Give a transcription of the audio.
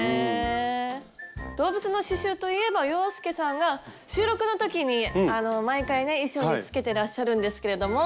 動物の刺しゅうといえば洋輔さんが収録の時にあの毎回ね衣装につけてらっしゃるんですけれども。